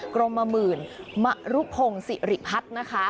กรมหมื่นมรุพงศิริพัฒน์นะคะ